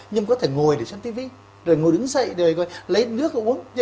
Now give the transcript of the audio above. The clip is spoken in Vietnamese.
nhưng có thể ngồi để xem tivi rồi ngồi đứng dậy rồi lấy nước uống